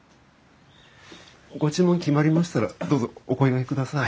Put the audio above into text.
ご注文決まりましたらどうぞお声がけください。